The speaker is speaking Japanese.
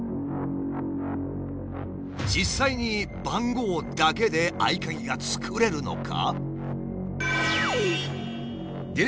実際に番号だけで合鍵が作れるのか？